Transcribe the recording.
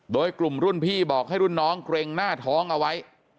โดยกลุ่มรุ่นพี่บอกให้รุ่นน้องเกร็งหน้าท้องเอาไว้